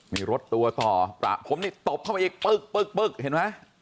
มีรสตัวต่อปลาผมตบเข้าไปอีกเตื้อเห็นไหม